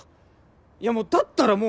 いやだったらもう。